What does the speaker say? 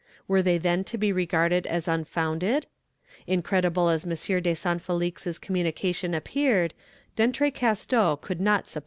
Were they then to be regarded as unfounded? Incredible as M. de Saint Felix's communication appeared, D'Entrecasteaux could not suppose so.